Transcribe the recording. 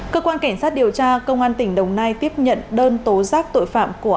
cơ quan cảnh sát điều tra công an tỉnh đồng nai tiếp nhận đơn tố rác tội phạm